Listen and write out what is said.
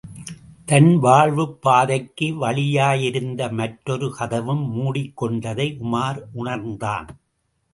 தன் வாழ்வுப் பாதைக்கு வழியாயிருந்த மற்றொரு கதவும் முடிக்கொண்டதை உமார் உணர்ந்தான்.